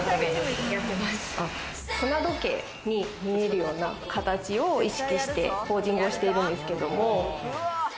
砂時計に見えるような形を意識してポージングをしているんですけれども。